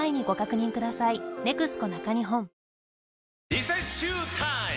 リセッシュータイム！